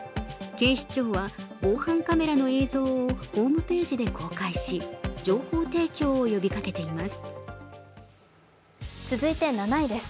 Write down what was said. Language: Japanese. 警視庁は、防犯カメラの映像をホームページで公開し情報提供を呼びかけています。